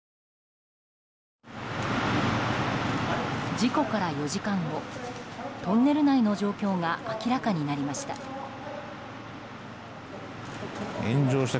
事故から４時間後トンネル内の状況が明らかになりました。